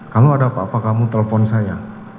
kalau ada apa apa kamu telpon saya